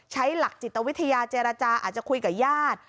ใช้หลักจิตวิทยาเจรจาอาจจะคุยกับญาติ